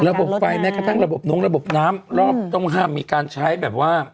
ระบบไฟแม้กระทั่งระบบน้องระบบน้ำรอบต้องห้ามมีการใช้แบบว่า